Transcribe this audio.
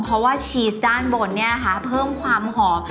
เพราะว่าชีสด้านบนเนี่ยนะคะเพิ่มความหอม